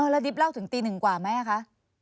แล้วดิบเล่าถึงตีหนึ่งกว่าไหมคะ